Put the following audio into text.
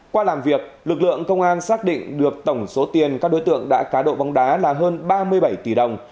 qua làm việc lực lượng công an xác định được tổng số tiền các đối tượng đã cá độ bóng đá là hơn ba mươi bảy tỷ đồng